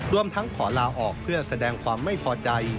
รวมทั้งขอลาออกเพื่อแสดงความไม่พอใจ